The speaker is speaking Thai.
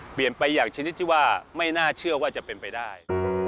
เปลี่ยนไปอย่างชนิดที่ว่าไม่น่าเชื่อว่าจะเป็นไปได้